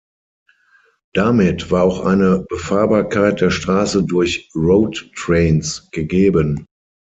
Damit war auch eine Befahrbarkeit der Straße durch Road Trains gegeben.